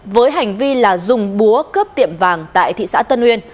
với hành vi là dùng búa cướp tiệm vàng tại thị xã tân uyên